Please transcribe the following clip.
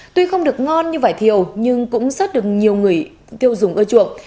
tuy không được ngon như vải thiều nhưng cũng rất được nhiều người tiêu dùng ưa chuộng